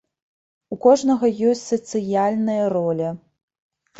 У кожнага ёсць сацыяльная роля.